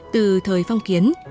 từ thời phong kiến